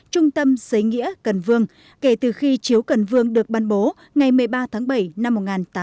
trung tâm giới nghĩa cần vương kể từ khi chiếu cần vương được ban bố ngày một mươi ba tháng bảy năm một nghìn tám trăm tám mươi